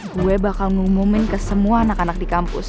gue bakal ngumumin ke semua anak anak di kampus